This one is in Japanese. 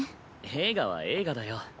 映画は映画だよ。